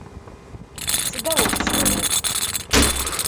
Sıda vo pş'erer?